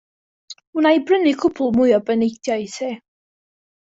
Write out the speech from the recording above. Wna i brynu cwpwl mwy o baneidiau i ti.